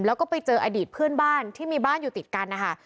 แล้วก็ไปเจออดีตเพื่อนบ้านที่มีบ้านอยู่ติดกันนะคะ